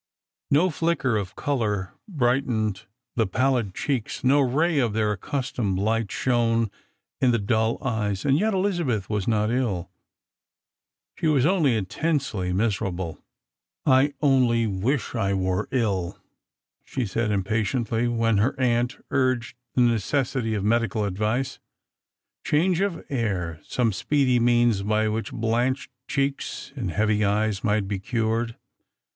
No flicker of colour brightened the palUd cheeks, no ray of their accustomed light shone in the dull ej^es, and yet Elizabeth waa not ill. She was only intensely miserable, " I only wish I were ill," she said, impatiently, when her aunt urged the necessity of medical advice, change of air — some speedy means by which blanched cheeks and heavy eyes might be cured.